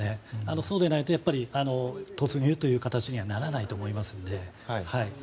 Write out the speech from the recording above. そうでないと突入という形にはならないと思いますので。